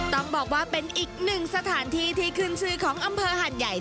ต้องบอกว่าเป็นอีกหนึ่งสถานที่ที่ขึ้นชื่อของอำเภอหัดใหญ่